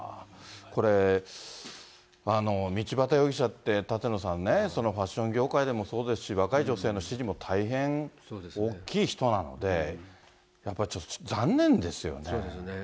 これ、道端容疑者って、舘野さんね、ファッション業界でもそうですし、若い女性の支持も大変大きい人なので、やっぱりちょっと残念ですそうですね。